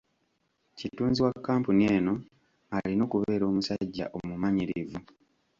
Kitunzi wa kkampuni eno alina okubeera omusajja omumanyirivu.